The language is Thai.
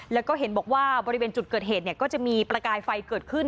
แล้วก็เห็นบอกว่าบริเวณจุดเกิดเหตุก็จะมีประกายไฟเกิดขึ้น